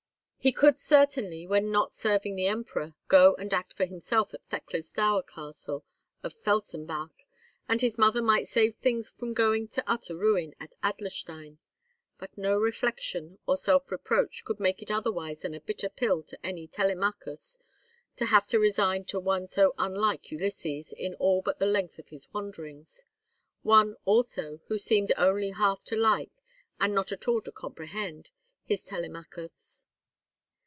He could certainly, when not serving the Emperor, go and act for himself at Thekla's dower castle of Felsenbach, and his mother might save things from going to utter ruin at Adlerstein; but no reflection or self reproach could make it otherwise than a bitter pill to any Telemachus to have to resign to one so unlike Ulysses in all but the length of his wanderings,—one, also, who seemed only half to like, and not at all to comprehend, his Telemachus.